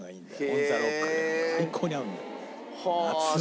オンザロックが最高に合うんだよね。